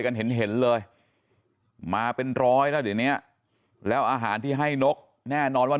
กันเห็นเลยมาเป็นร้อยแล้วเดี๋ยวนี้แล้วอาหารที่ให้นกแน่นอนว่า